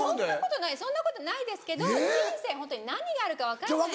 そんなことないですけど人生ホント何があるか分かんないし。